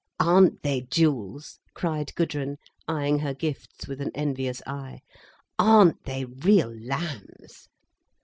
"Aren't they jewels!" cried Gudrun, eyeing her gifts with an envious eye. "Aren't they real lambs!"